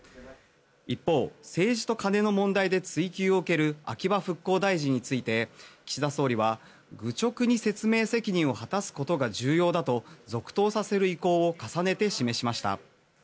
一方、政治と金の問題で追及を受ける秋葉復興大臣について岸田総理は愚直に説明責任を果たすことが重要だと続投させる意向を重ねて示しました。